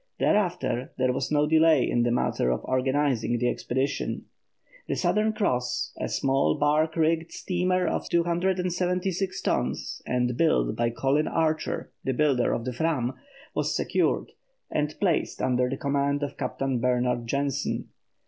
Thereafter there was no delay in the matter of organising the expedition. The Southern Cross, a small barque rigged steamer of 276 tons, and built by Colin Archer, the builder of the Fram, was secured, and placed under the command of Captain Bernhard Jensen.